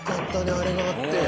あれがあって。